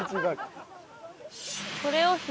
これを左。